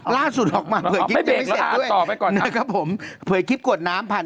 ร่าสุดออกมาไม่เปลี่ยงโตไผ่ก่อนนะครับผมเผยคลิปกวดน้ำผ่าน